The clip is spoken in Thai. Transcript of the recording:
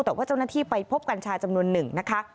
แต่ว่าเจ้าหน้าที่ไปพบกัญชาจำนวนหนึ่งนะคะ